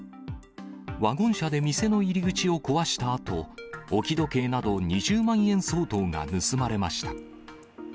ワゴン車で店の入り口を壊したあと、置き時計など２０万円相当が盗まれました。